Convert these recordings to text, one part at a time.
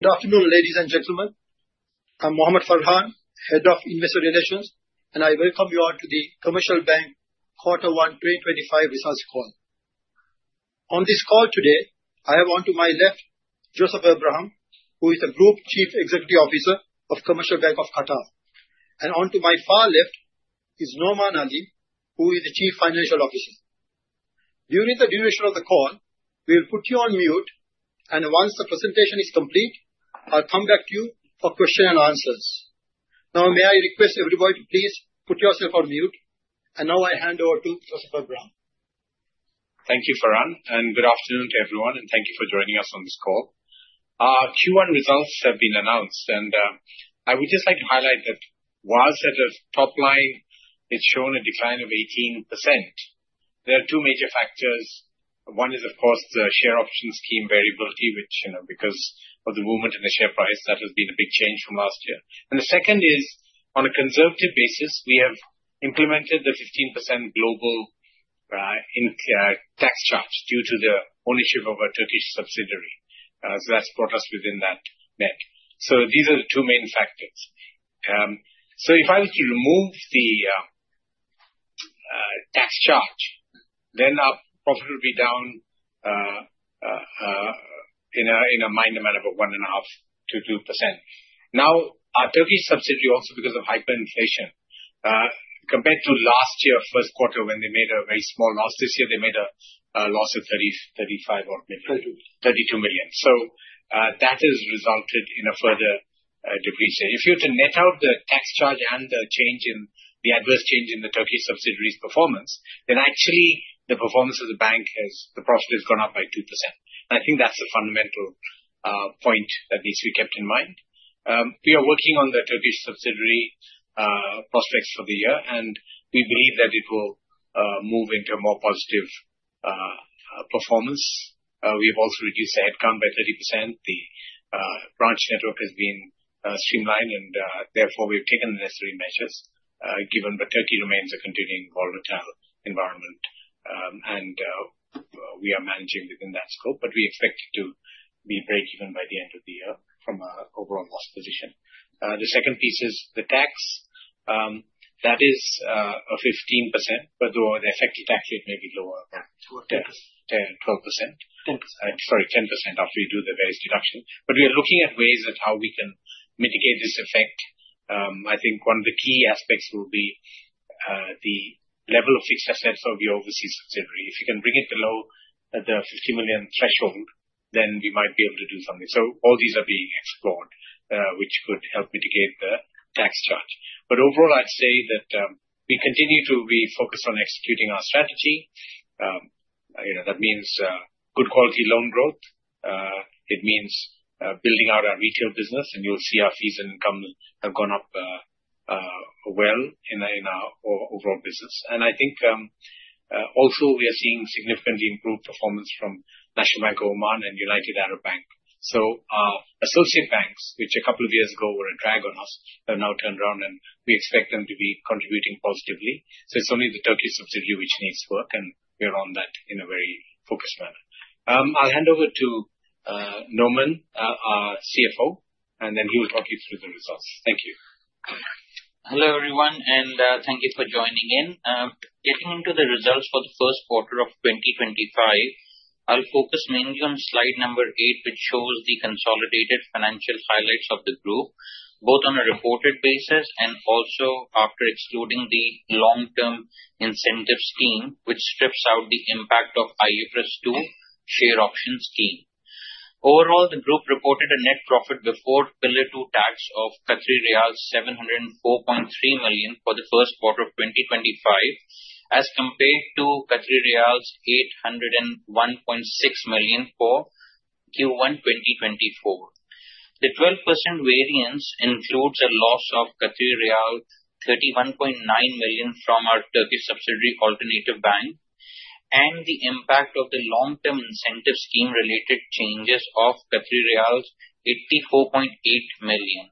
Good afternoon, ladies and gentlemen. I'm Mohamed Farhan, Head of Investor Relations, and I welcome you all to the Commercial Bank 1Q 2025 Results Call. On this call today, I have onto my left Joseph Abraham, who is the Group Chief Executive Officer of Commercial Bank of Qatar, and onto my far left is Noman Ali, who is the Chief Financial Officer. During the duration of the call, we will put you on mute, and once the presentation is complete, I'll come back to you for questions and answers. Now, may I request everybody to please put yourself on mute, and now I hand over to Joseph Abraham. Thank you, Farhan, and good afternoon to everyone, and thank you for joining us on this call. Q1 results have been announced, and I would just like to highlight that whilst the top line, it's shown a decline of 18%. There are two major factors. One is, of course, the share option scheme variability, which, you know, because of the movement in the share price, that has been a big change from last year. The second is, on a conservative basis, we have implemented the 15% global tax charge due to the ownership of a Turkish subsidiary. That has brought us within that net. These are the two main factors. If I were to remove the tax charge, then our profit would be down in a minor amount of a 1.5%-2%. Now, our Turkish subsidiary, also because of hyperinflation, compared to last year's first quarter when they made a very small loss, this year they made a loss of 35 million. 32 million. QAR 32 million. That has resulted in a further depreciation. If you were to net out the tax charge and the adverse change in the Turkish subsidiary's performance, then actually the performance of the bank has, the profit has gone up by 2%. I think that's a fundamental point that needs to be kept in mind. We are working on the Turkish subsidiary prospects for the year, and we believe that it will move into a more positive performance. We have also reduced the headcount by 30%. The branch network has been streamlined, and therefore we have taken the necessary measures given that Turkey remains a continuing volatile environment, and we are managing within that scope, but we expect it to be breakeven by the end of the year from our overall loss position. The second piece is the tax. That is a 15%, but the effective tax rate may be lower than 12%. 10%. Sorry, 10% after we do the various deductions. We are looking at ways of how we can mitigate this effect. I think one of the key aspects will be the level of fixed assets of the overseas subsidiary. If you can bring it below the 50 million threshold, we might be able to do something. All these are being explored, which could help mitigate the tax charge. Overall, I'd say that we continue to be focused on executing our strategy. You know, that means good quality loan growth. It means building out our retail business, and you'll see our fees and income have gone up well in our overall business. I think also we are seeing significantly improved performance from National Bank of Oman and United Arab Bank. Our associate banks, which a couple of years ago were a drag on us, have now turned around, and we expect them to be contributing positively. It is only the Turkish subsidiary which needs work, and we are on that in a very focused manner. I'll hand over to Noman, our CFO, and then he will talk you through the results. Thank you. Hello everyone, and thank you for joining in. Getting into the results for the first quarter of 2025, I'll focus mainly on slide number 8, which shows the consolidated financial highlights of the group, both on a reported basis and also after excluding the long-term incentive scheme, which strips out the impact of IFRS 2 share option scheme. Overall, the group reported a net profit before Pillar 2 tax of Qatari riyal 704.3 million for the first quarter of 2025, as compared to Qatari riyals 801.6 million for Q1 2024. The 12% variance includes a loss of riyal 31.9 million from our Turkish subsidiary Alternatif Bank, and the impact of the long-term incentive scheme related changes of 84.8 million.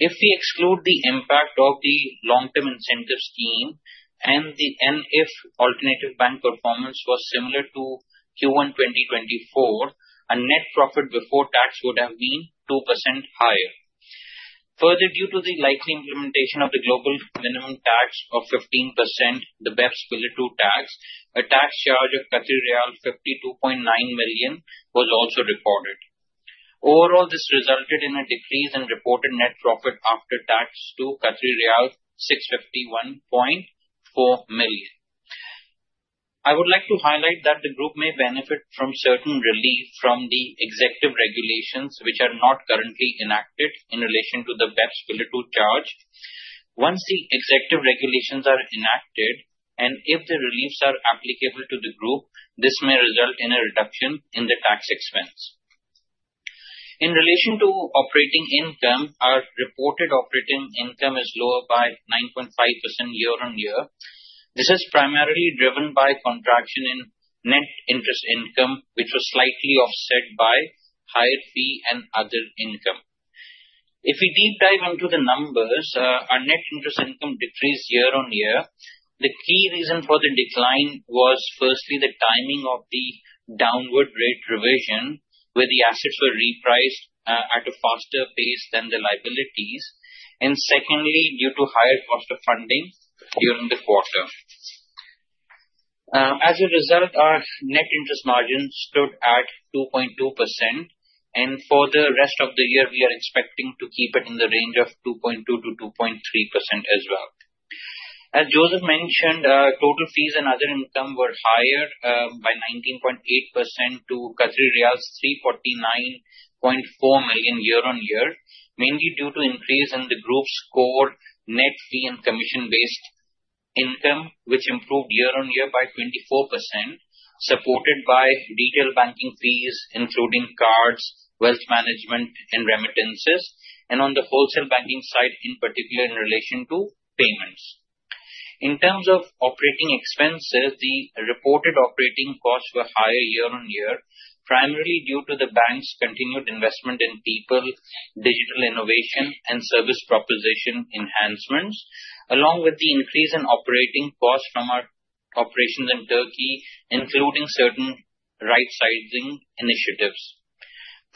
If we exclude the impact of the Long Term Incentive Plan and if Alternatif Bank performance was similar to Q1 2024, a net profit before tax would have been 2% higher. Further, due to the likely implementation of the global minimum tax of 15%, the BEPS Pillar 2 tax, a tax charge of 52.9 million was also reported. Overall, this resulted in a decrease in reported net profit after tax to 651.4 million. I would like to highlight that the group may benefit from certain relief from the executive regulations, which are not currently enacted in relation to the BEPS Pillar 2 charge. Once the executive regulations are enacted, and if the reliefs are applicable to the group, this may result in a reduction in the tax expense. In relation to operating income, our reported operating income is lower by 9.5% year-on-year. This is primarily driven by contraction in net interest income, which was slightly offset by higher fee and other income. If we deep dive into the numbers, our net interest income decreased year-on-year. The key reason for the decline was firstly the timing of the downward rate revision, where the assets were repriced at a faster pace than the liabilities, and secondly, due to higher cost of funding during the quarter. As a result, our net interest margin stood at 2.2%, and for the rest of the year, we are expecting to keep it in the range of 2.2%-2.3% as well. As Joseph mentioned, total fees and other income were higher by 19.8% to 349.4 million year-on-year, mainly due to an increase in the group's core net fee and commission-based income, which improved year-on-year by 24%, supported by retail banking fees, including cards, wealth management, and remittances, and on the wholesale banking side in particular in relation to payments. In terms of operating expenses, the reported operating costs were higher year-on-year, primarily due to the bank's continued investment in people, digital innovation, and service proposition enhancements, along with the increase in operating costs from our operations in Turkey, including certain right-sizing initiatives.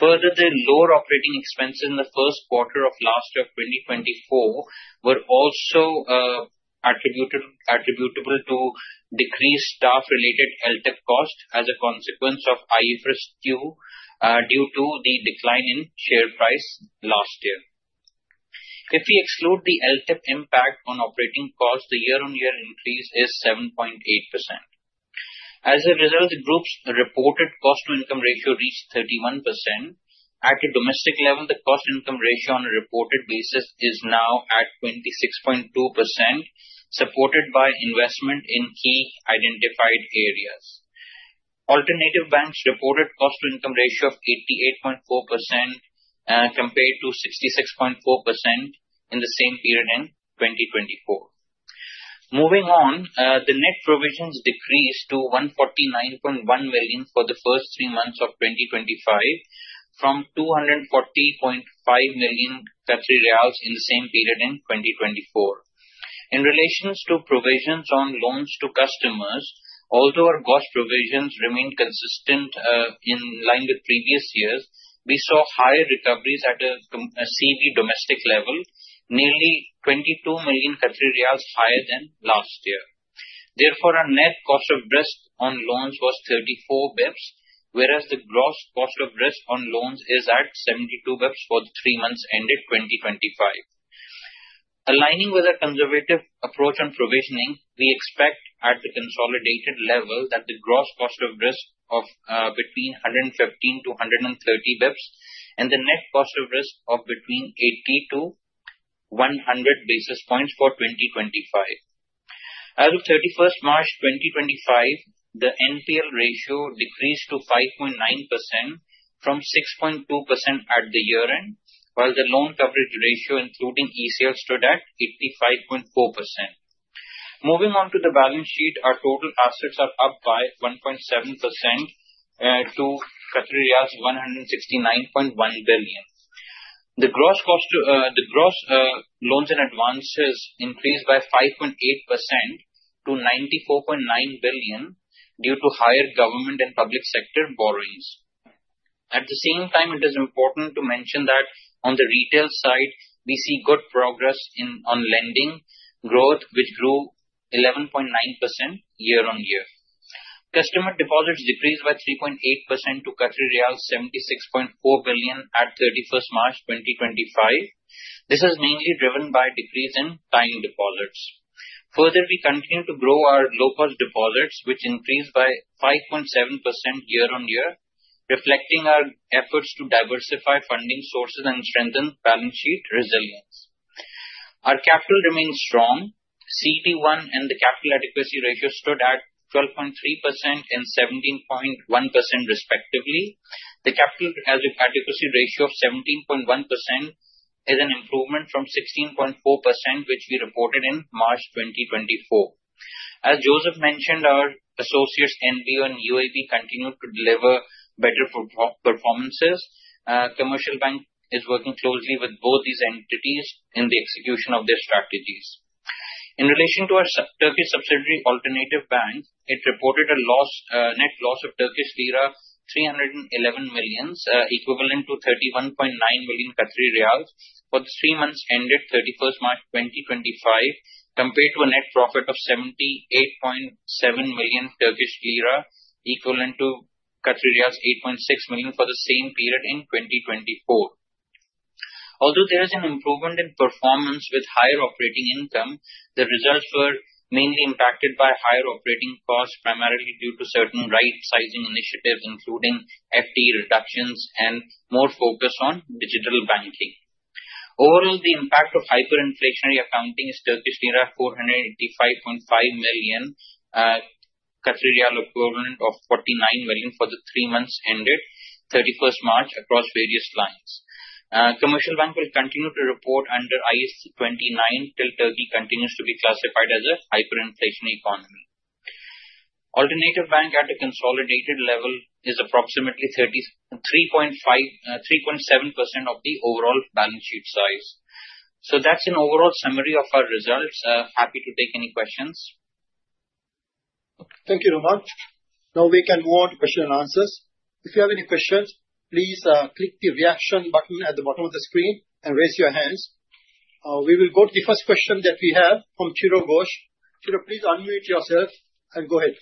Further, the lower operating expenses in the first quarter of last year of 2024 were also attributable to decreased staff-related LTIP costs as a consequence of IFRS 2 due to the decline in share price last year. If we exclude the LTIP impact on operating costs, the year-on-year increase is 7.8%. As a result, the group's reported cost-to-income ratio reached 31%. At a domestic level, the cost-to-income ratio on a reported basis is now at 26.2%, supported by investment in key identified areas. Alternatif Bank's reported cost-to-income ratio is 88.4% compared to 66.4% in the same period in 2024. Moving on, the net provisions decreased to 149.1 million for the first three months of 2025, from 240.5 million riyals in the same period in 2024. In relation to provisions on loans to customers, although our cost provisions remained consistent in line with previous years, we saw higher recoveries at a CB domestic level, nearly 22 million riyals higher than last year. Therefore, our net cost of risk on loans was 34 basis points, whereas the gross cost of risk on loans is at 72 basis points for the three months ended 2025. Aligning with a conservative approach on provisioning, we expect at the consolidated level that the gross cost of risk of between 115-130 basis points and the net cost of risk of between 80-100 basis points for 2025. As of March 31st, 2025, the NPL ratio decreased to 5.9% from 6.2% at the year-end, while the loan coverage ratio, including ECL, stood at 85.4%. Moving on to the balance sheet, our total assets are up by 1.7% to QAR 169.1 billion. The gross loans and advances increased by 5.8% to 94.9 billion due to higher government and public sector borrowings. At the same time, it is important to mention that on the retail side, we see good progress in on lending growth, which grew 11.9% year-on-year. Customer deposits decreased by 3.8% to 76.4 billion at March 31st, 2025. This is mainly driven by a decrease in time deposits. Further, we continue to grow our low-cost deposits, which increased by 5.7% year-on-year, reflecting our efforts to diversify funding sources and strengthen balance sheet resilience. Our capital remains strong. CET1 and the capital adequacy ratio stood at 12.3% and 17.1% respectively. The capital adequacy ratio of 17.1% is an improvement from 16.4%, which we reported in March 2024. As Joseph mentioned, our associates NBO and UAB continue to deliver better performances. Commercial Bank is working closely with both these entities in the execution of their strategies. In relation to our Turkish subsidiary Alternatif Bank, it reported a net loss of Turkish lira 311 million, equivalent to 31.9 million Qatari riyals for the three months ended March 31st, 2025, compared to a net profit of 78.7 million Turkish lira, equivalent to 8.6 million for the same period in 2024. Although there is an improvement in performance with higher operating income, the results were mainly impacted by higher operating costs, primarily due to certain right-sizing initiatives, including FTE reductions and more focus on digital banking. Overall, the impact of hyperinflationary accounting is Turkish lira 485.5 million, 49 million equivalent for the three months ended 31st March across various lines. Commercial Bank will continue to report under IAS 29 till Turkey continues to be classified as a hyperinflationary economy. Alternatif Bank at a consolidated level is approximately 3.7% of the overall balance sheet size. That's an overall summary of our results. Happy to take any questions. Thank you very much. Now we can move on to question and answers. If you have any questions, please click the reaction button at the bottom of the screen and raise your hands. We will go to the first question that we have from Chiro Ghosh. Chiro, please unmute yourself and go ahead.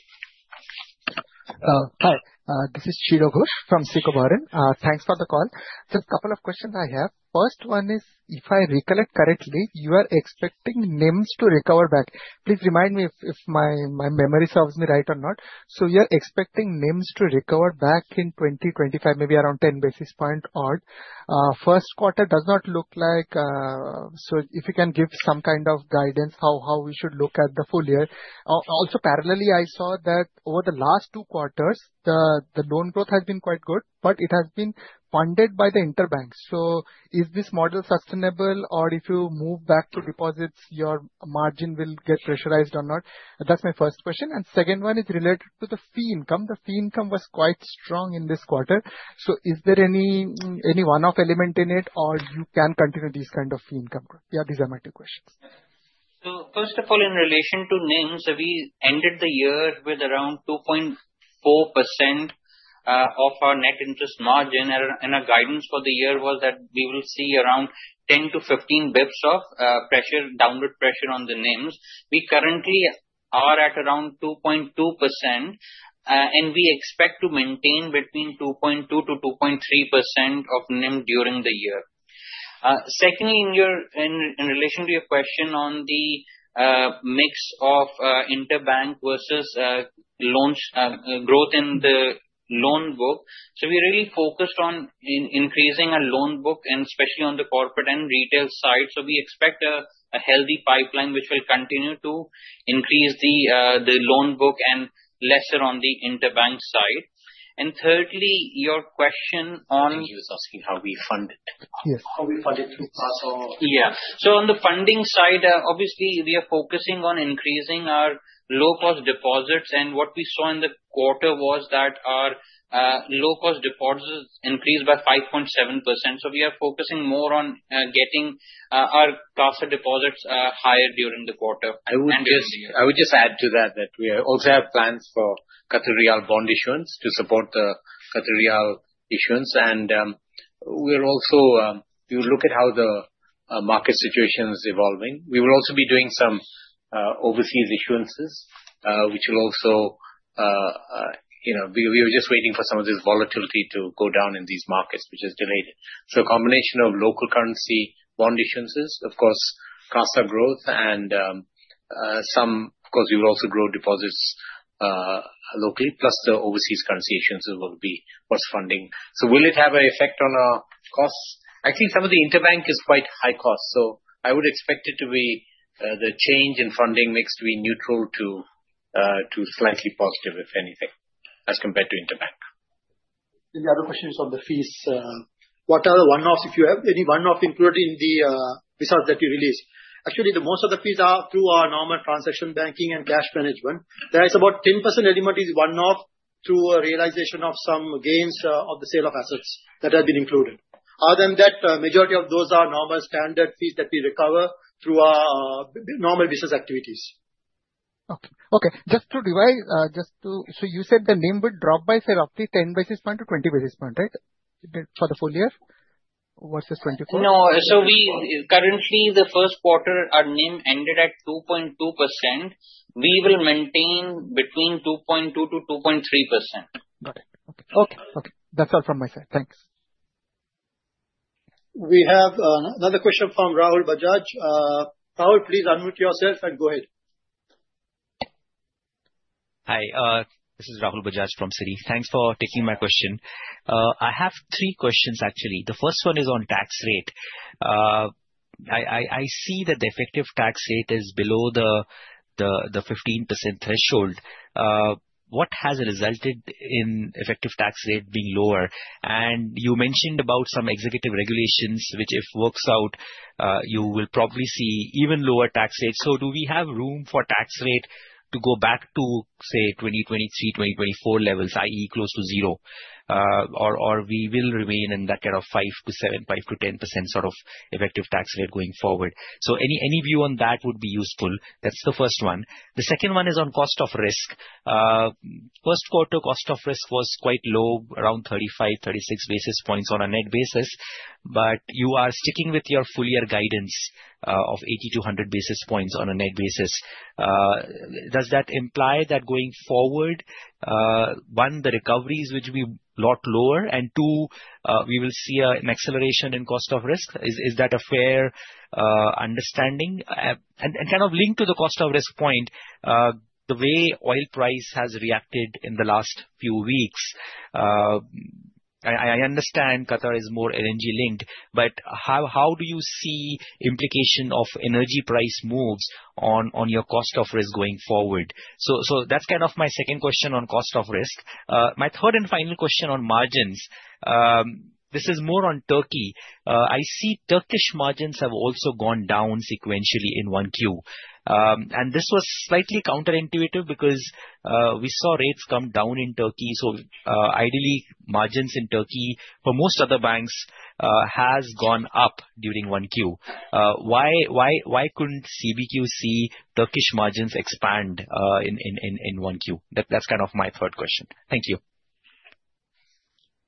Hi, this is Chiro Ghosh from SICO BSC. Thanks for the call. Just a couple of questions I have. First one is, if I recollect correctly, you are expecting NIMs to recover back. Please remind me if my memory serves me right or not. You are expecting NIMs to recover back in 2025, maybe around 10 basis points odd. First quarter does not look like it, so if you can give some kind of guidance how we should look at the full year. Also, parallelly, I saw that over the last two quarters, the loan growth has been quite good, but it has been funded by the interbanks. Is this model sustainable, or if you move back to deposits, your margin will get pressurized or not? That is my first question. Second one is related to the fee income. The fee income was quite strong in this quarter. Is there any one-off element in it, or you can continue these kinds of fee income? Yeah, these are my two questions. First of all, in relation to NIMs, we ended the year with around 2.4% of our net interest margin, and our guidance for the year was that we will see around 10-15 basis points of pressure, downward pressure on the NIMs. We currently are at around 2.2%, and we expect to maintain between 2.2%-2.3% of NIM during the year. Secondly, in relation to your question on the mix of interbank versus loans growth in the loan book, we really focused on increasing our loan book, and especially on the corporate and retail side. We expect a healthy pipeline which will continue to increase the loan book and lesser on the interbank side. Thirdly, your question on. You were asking how we fund it. Yes. How we fund it through CASA. Yeah. On the funding side, obviously, we are focusing on increasing our low-cost deposits, and what we saw in the quarter was that our low-cost deposits increased by 5.7%. We are focusing more on getting our CASA deposits higher during the quarter. I would just add to that that we also have plans for QAR bond issuance to support the QAR issuance. And we're also, if you look at how the market situation is evolving, we will also be doing some overseas issuances, which will also, you know, we were just waiting for some of this volatility to go down in these markets, which is delayed. A combination of local currency bond issuances, of course, CASA growth, and some, of course, we will also grow deposits locally, plus the overseas currency issuance will be what's funding. Will it have an effect on our costs? Actually, some of the interbank is quite high cost, so I would expect the change in funding mix to be neutral to slightly positive, if anything, as compared to interbank. Any other questions on the fees? What are the one-offs? If you have any one-off included in the results that you release, actually, most of the fees are through our normal transaction banking and cash management. There is about 10% element is one-off through realization of some gains of the sale of assets that have been included. Other than that, the majority of those are normal standard fees that we recover through our normal business activities. Okay. Okay. Just to revise, just to, so you said the NIM would drop by roughly 10-20 basis points, right, for the full year versus 2024? No. We currently, the first quarter, our NIM ended at 2.2%. We will maintain between 2.2%-2.3%. Got it. Okay. That's all from my side. Thanks. We have another question from Rahul Bajaj. Rahul, please unmute yourself and go ahead. Hi. This is Rahul Bajaj from Citi. Thanks for taking my question. I have three questions, actually. The first one is on tax rate. I see that the effective tax rate is below the 15% threshold. What has resulted in the effective tax rate being lower? You mentioned about some executive regulations, which if works out, you will probably see even lower tax rates. Do we have room for tax rate to go back to, say, 2023, 2024 levels, i.e., close to zero, or we will remain in that kind of 5%-7%, 5%-10% sort of effective tax rate going forward? Any view on that would be useful. That is the first one. The second one is on cost of risk. First quarter cost of risk was quite low, around 35, 36 basis points on a net basis, but you are sticking with your full year guidance of 80-100 basis points on a net basis. Does that imply that going forward, one, the recovery is going to be a lot lower, and two, we will see an acceleration in cost of risk? Is that a fair understanding? Kind of linked to the cost of risk point, the way oil price has reacted in the last few weeks, I understand Qatar is more energy linked, but how do you see the implication of energy price moves on your cost of risk going forward? That is kind of my second question on cost of risk. My third and final question on margins, this is more on Turkey. I see Turkish margins have also gone down sequentially in one queue. This was slightly counterintuitive because we saw rates come down in Turkey. Ideally, margins in Turkey for most other banks have gone up during one queue. Why could not CBQ's Turkish margins expand in one queue? That is kind of my third question. Thank you.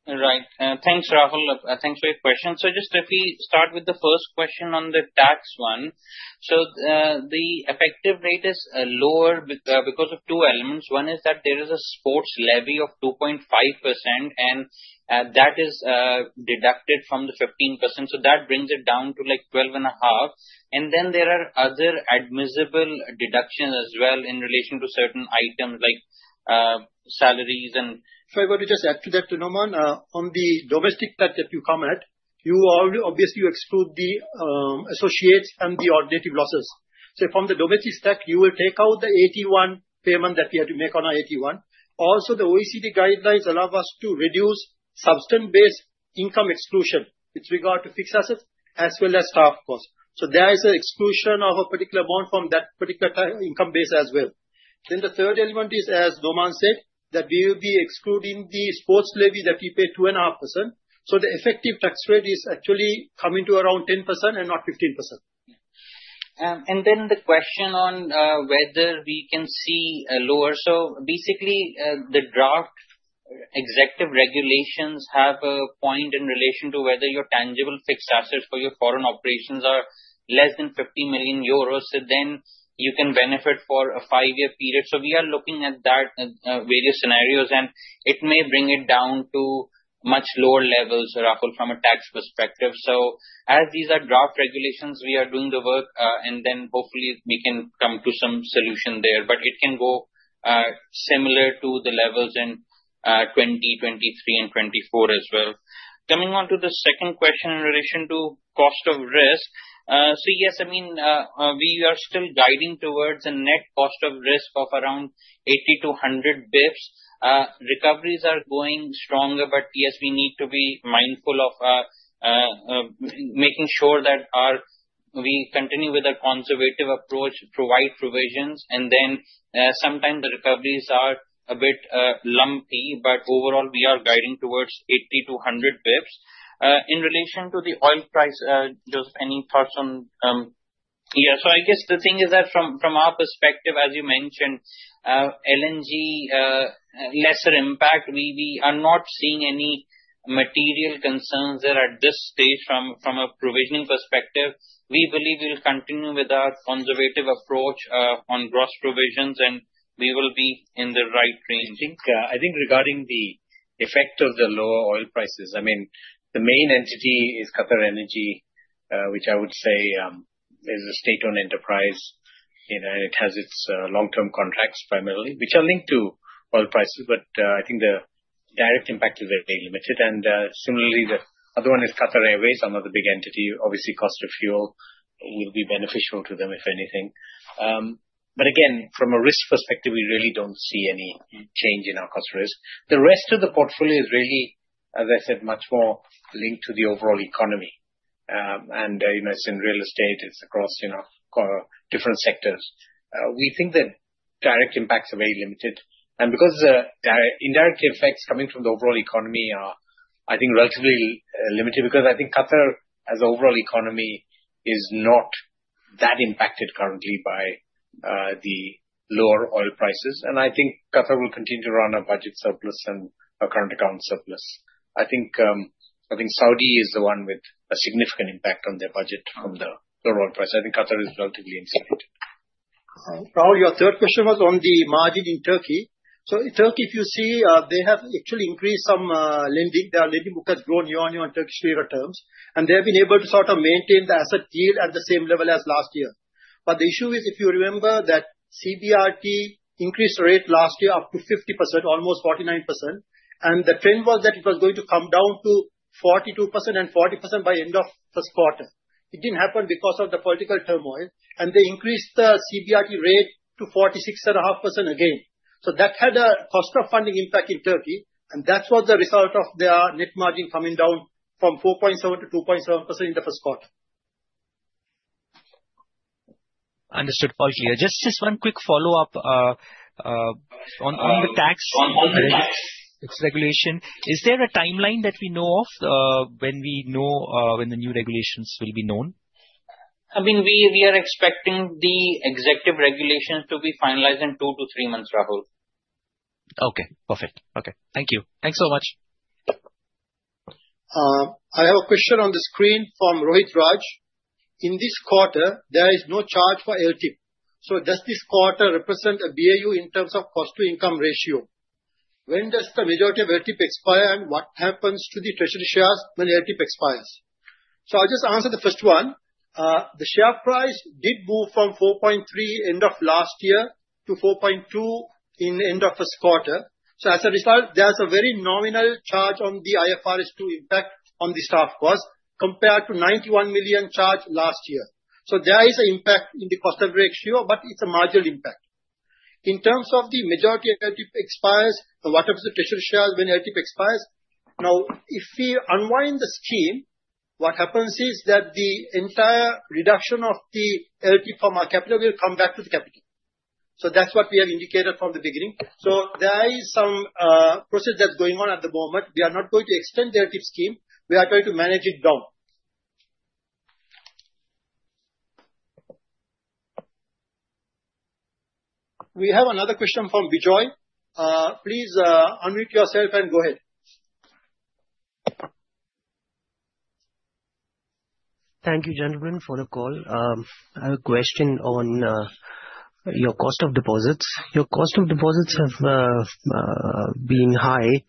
Right. Thanks, Rahul. Thanks for your question. Just if we start with the first question on the tax one. The effective rate is lower because of two elements. One is that there is a sports levy of 2.5%, and that is deducted from the 15%. That brings it down to like 12.5%. Then there are other admissible deductions as well in relation to certain items like salaries and. If I were to just add to that, Noman, on the domestic tax that you comment, you obviously exclude the associates and the ordinary losses. From the domestic stack, you will take out the AT1 payment that we had to make on our AT1. Also, the OECD guidelines allow us to reduce substantive income exclusion with regard to fixed assets as well as staff costs. There is an exclusion of a particular bond from that particular income base as well. The third element is, as Noman said, that we will be excluding the sports levy that we pay at 2.5%. The effective tax rate is actually coming to around 10% and not 15%. The question on whether we can see a lower, basically, the draft executive regulations have a point in relation to whether your tangible fixed assets for your foreign operations are less than 50 million euros, so then you can benefit for a five-year period. We are looking at that, various scenarios, and it may bring it down to much lower levels, Rahul, from a tax perspective. As these are draft regulations, we are doing the work, and hopefully we can come to some solution there. It can go similar to the levels in 2023 and 2024 as well. Coming on to the second question in relation to cost of risk, yes, I mean, we are still guiding towards a net cost of risk of around 80-100 basis points. Recoveries are going stronger, but yes, we need to be mindful of making sure that we continue with a conservative approach, provide provisions, and then sometimes the recoveries are a bit lumpy, but overall, we are guiding towards 80-100 basis points. In relation to the oil price, Joseph, any thoughts on? Yeah. I guess the thing is that from our perspective, as you mentioned, LNG lesser impact, we are not seeing any material concerns there at this stage from a provisioning perspective. We believe we will continue with our conservative approach on gross provisions, and we will be in the right range. I think regarding the effect of the lower oil prices, I mean, the main entity is QatarEnergy, which I would say is a state-owned enterprise, and it has its long-term contracts primarily, which are linked to oil prices, but I think the direct impact is very limited. Similarly, the other one is Qatar Airways, another big entity. Obviously, cost of fuel will be beneficial to them, if anything. Again, from a risk perspective, we really do not see any change in our cost risk. The rest of the portfolio is really, as I said, much more linked to the overall economy. It is in real estate, it is across different sectors. We think that direct impacts are very limited. Because the indirect effects coming from the overall economy are, I think, relatively limited because I think Qatar as an overall economy is not that impacted currently by the lower oil prices. I think Qatar will continue to run a budget surplus and a current account surplus. I think Saudi is the one with a significant impact on their budget from the lower oil price. I think Qatar is relatively insulated. Rahul, your third question was on the margin in Turkey. In Turkey, if you see, they have actually increased some lending. Their lending book has grown year-on-year on Turkish lira terms, and they have been able to sort of maintain the asset yield at the same level as last year. The issue is, if you remember that CBRT increased rate last year up to 50%, almost 49%, and the trend was that it was going to come down to 42% and 40% by end of first quarter. It did not happen because of the political turmoil, and they increased the CBRT rate to 46.5% again. That had a cost of funding impact in Turkey, and that is what the result of their net margin coming down from 4.7%-2.7% in the first quarter. Understood. Just one quick follow-up on the tax regulation. Is there a timeline that we know of when we know when the new regulations will be known? I mean, we are expecting the executive regulations to be finalized in 2-3 months, Rahul. Okay. Perfect. Okay. Thank you. Thanks so much. I have a question on the screen from Rohit Raj. In this quarter, there is no charge for LTIP. Does this quarter represent a BAU in terms of cost-to-income ratio? When does the majority of LTIP expire, and what happens to the treasury shares when LTIP expires? I'll just answer the first one. The share price did move from 4.3% end of last year to 4.2% at the end of first quarter. As a result, there's a very nominal charge on the IFRS 2 impact on the staff cost compared to 91 million charge last year. There is an impact in the cost-to-income ratio, but it's a marginal impact. In terms of the majority of LTIP expires, what happens to the treasury shares when LTIP expires? Now, if we unwind the scheme, what happens is that the entire reduction of the LTIP from our capital will come back to the capital. That is what we have indicated from the beginning. There is some process that is going on at the moment. We are not going to extend the LTIP scheme. We are trying to manage it down. We have another question from Bijoy. Please unmute yourself and go ahead. Thank you, gentlemen, for the call. I have a question on your cost of deposits. Your cost of deposits have been high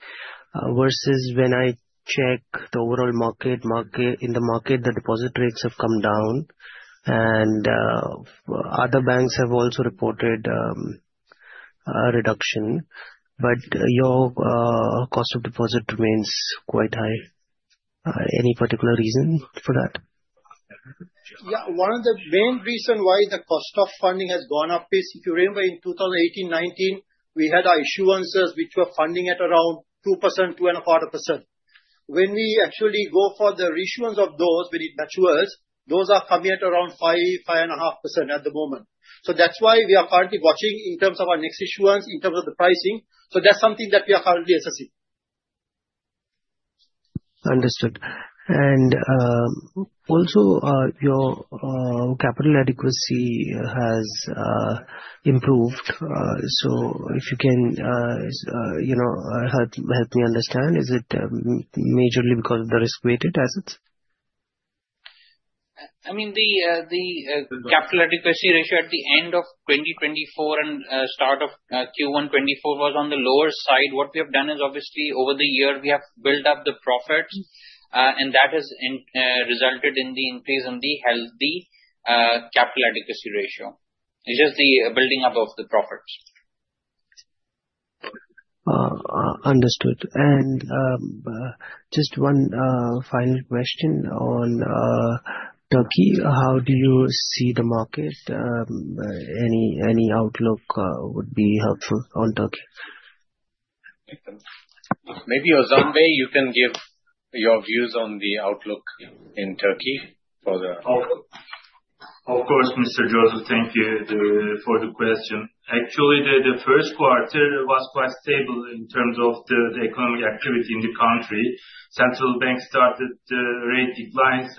versus when I check the overall market, in the market, the deposit rates have come down, and other banks have also reported a reduction. Your cost of deposit remains quite high. Any particular reason for that? Yeah. One of the main reasons why the cost of funding has gone up is, if you remember, in 2018, 2019, we had our issuances, which were funding at around 2%, 2.25%. When we actually go for the reissuance of those, when it matures, those are coming at around 5%-5.5% at the moment. That is why we are currently watching in terms of our next issuance, in terms of the pricing. That is something that we are currently assessing. Understood. Also, your capital adequacy has improved. If you can help me understand, is it majorly because of the risk-weighted assets? I mean, the capital adequacy ratio at the end of 2024 and start of Q1 2024 was on the lower side. What we have done is, obviously, over the year, we have built up the profits, and that has resulted in the increase in the healthy capital adequacy ratio. It's just the building up of the profits. Understood. Just one final question on Turkey. How do you see the market? Any outlook would be helpful on Turkey? Maybe, Ozan, you can give your views on the outlook in Turkey for the. Of course, Mr. Joseph, thank you for the question. Actually, the first quarter was quite stable in terms of the economic activity in the country. Central Bank started the rate declines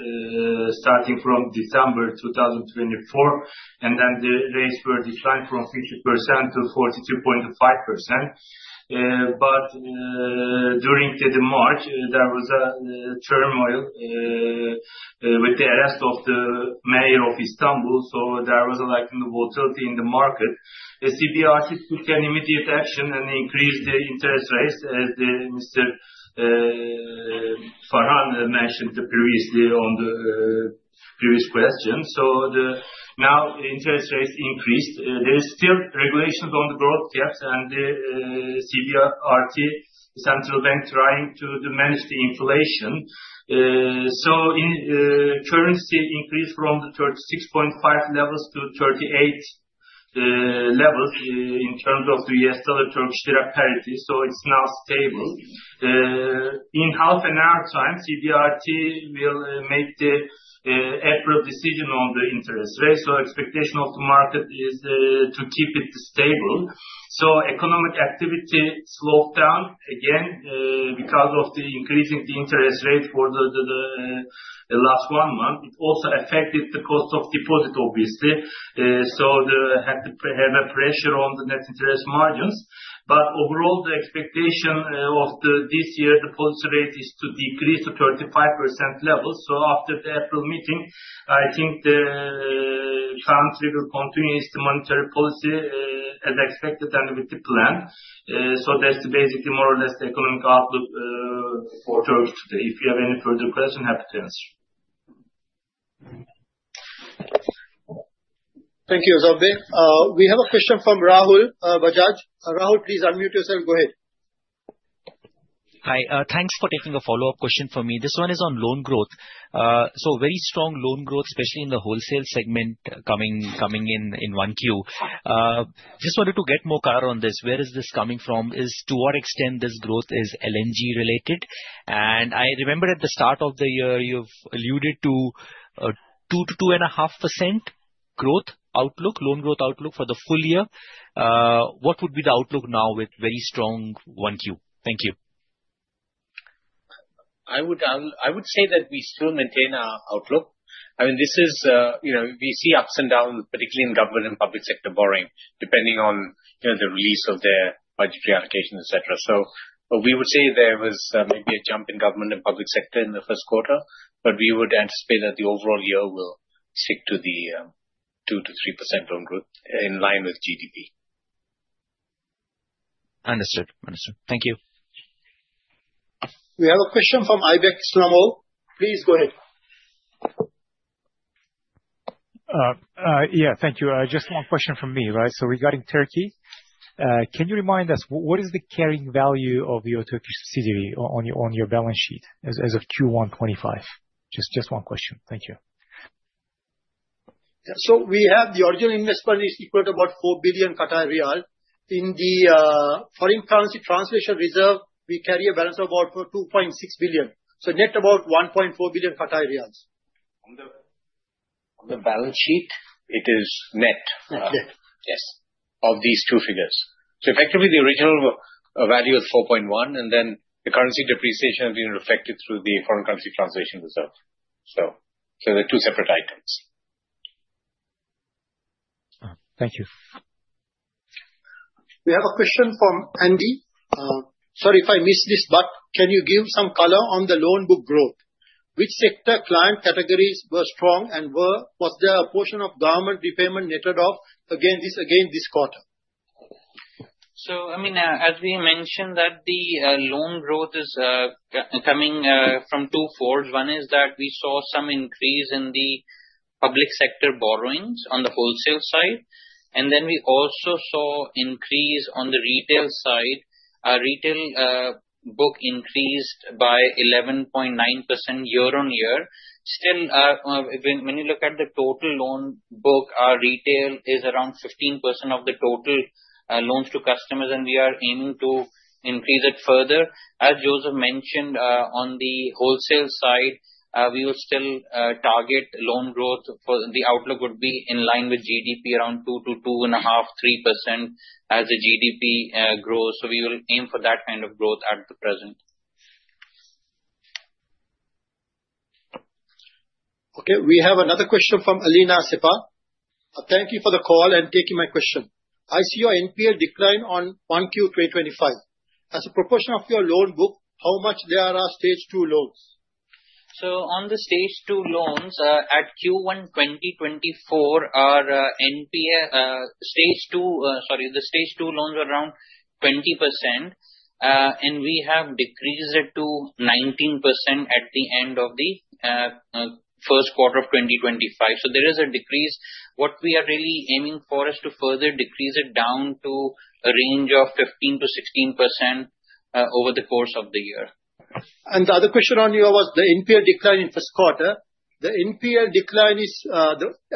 starting from December 2024, and then the rates were declined from 50%-42.5%. During March, there was a turmoil with the arrest of the mayor of Istanbul, so there was a likely volatility in the market. The CBRT took an immediate action and increased the interest rates, as Mr. Farhan mentioned previously on the previous question. Now interest rates increased. There are still regulations on the growth caps and the CBRT, the central bank trying to manage the inflation. Currency increased from the 36.5 levels to 38 levels in terms of the U.S. dollar-Turkish lira parity. It is now stable. In half an hour time, CBRT will make the April decision on the interest rate. Expectation of the market is to keep it stable. Economic activity slowed down again because of the increase in the interest rate for the last one month. It also affected the cost of deposit, obviously. They have a pressure on the net interest margins. Overall, the expectation of this year, the policy rate is to decrease to 35% levels. After the April meeting, I think the country will continue its monetary policy as expected and with the plan. That's basically more or less the economic outlook for Turkey today. If you have any further questions, happy to answer. Thank you, Ozan. We have a question from Rahul Bajaj. Rahul, please unmute yourself. Go ahead. Hi. Thanks for taking a follow-up question for me. This one is on loan growth. Very strong loan growth, especially in the wholesale segment coming in one queue. Just wanted to get more clarity on this. Where is this coming from? To what extent this growth is LNG-related? I remember at the start of the year, you've alluded to 2-2.5% growth outlook, loan growth outlook for the full year. What would be the outlook now with very strong one queue? Thank you. I would say that we still maintain our outlook. I mean, we see ups and downs, particularly in government and public sector borrowing, depending on the release of their budget reallocation, etc. We would say there was maybe a jump in government and public sector in the first quarter, but we would anticipate that the overall year will stick to the 2-3% loan growth in line with GDP. Understood. Understood. Thank you. We have a question from Aybek Islamov. Please go ahead. Yeah. Thank you. Just one question from me. Regarding Turkey, can you remind us what is the carrying value of your Turkish subsidiary on your balance sheet as of Q1 2025? Just one question. Thank you. We have the original investment is equal to about 4 billion. In the foreign currency translation reserve, we carry a balance of about 2.6 billion. Net, about 1.4 billion. On the balance sheet, it is net. Net. Yes, of these two figures. Effectively, the original value is 4.1, and then the currency depreciation has been reflected through the foreign currency translation reserve. They are two separate items. Thank you. We have a question from Andy. Sorry if I missed this, but can you give some color on the loan book growth? Which sector client categories were strong, and was there a portion of government repayment netted off again this quarter? I mean, as we mentioned, the loan growth is coming from two folds. One is that we saw some increase in the public sector borrowings on the wholesale side. We also saw increase on the retail side. Our retail book increased by 11.9% year-on-year. Still, when you look at the total loan book, our retail is around 15% of the total loans to customers, and we are aiming to increase it further. As Joseph mentioned, on the wholesale side, we will still target loan growth. The outlook would be in line with GDP, around 2%-2.5%, 3% as the GDP grows. We will aim for that kind of growth at the present. Okay. We have another question from Alina Asifa. Thank you for the call and taking my question. I see your NPL decline on 1Q 2025. As a proportion of your loan book, how much there are stage two loans? On the stage two loans at Q1 2024, our NPL stage 2, sorry, the stage 2 loans are around 20%, and we have decreased it to 19% at the end of the first quarter of 2025. There is a decrease. What we are really aiming for is to further decrease it down to a range of 15%-16% over the course of the year. The other question on your was the NPL decline in first quarter. The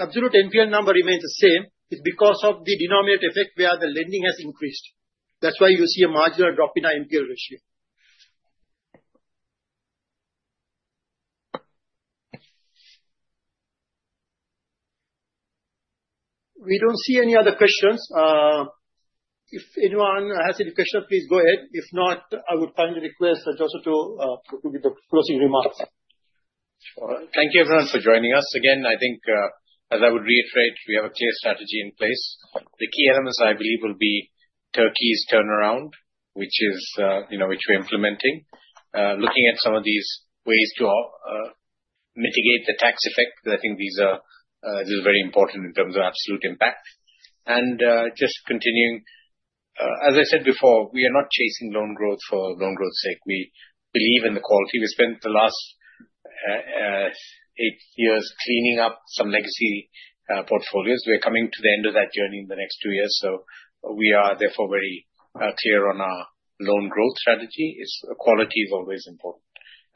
absolute NPL number remains the same. It's because of the denominator effect where the lending has increased. That's why you see a marginal drop in our NPL ratio. We don't see any other questions. If anyone has any questions, please go ahead. If not, I would kindly request Joseph to give the closing remarks. Thank you, everyone, for joining us. Again, I think, as I would reiterate, we have a clear strategy in place. The key elements I believe will be Turkey's turnaround, which we're implementing, looking at some of these ways to mitigate the tax effect. I think this is very important in terms of absolute impact. Just continuing, as I said before, we are not chasing loan growth for loan growth's sake. We believe in the quality. We spent the last eight years cleaning up some legacy portfolios. We're coming to the end of that journey in the next two years. We are therefore very clear on our loan growth strategy. Quality is always important.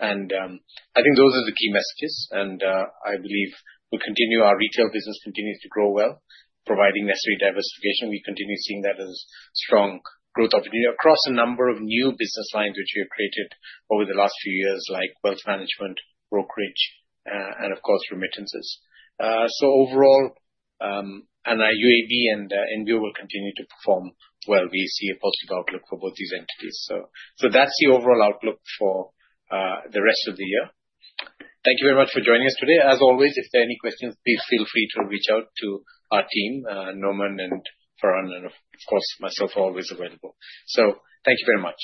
I think those are the key messages. I believe our retail business continues to grow well, providing necessary diversification. We continue seeing that as a strong growth opportunity across a number of new business lines which we have created over the last few years, like wealth management, brokerage, and of course, remittances. Overall, UAB and NBO will continue to perform well. We see a positive outlook for both these entities. That is the overall outlook for the rest of the year. Thank you very much for joining us today. As always, if there are any questions, please feel free to reach out to our team. Noman and Farhan, and of course, myself, are always available. Thank you very much.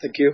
Thank you.